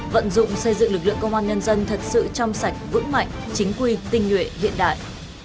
vận dụng xây dựng lực lượng công an nhân dân thật sự trong sạch vững mạnh chính quy tinh nguyện hiện đại